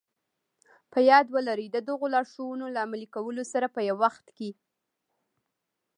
په ياد ولرئ د دغو لارښوونو له عملي کولو سره په يوه وخت کې.